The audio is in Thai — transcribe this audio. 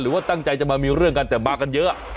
ว่าตั้งใจจะมามีเรื่องกันแต่มากันเยอะ